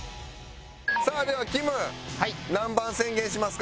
さあではきむ何番宣言しますか？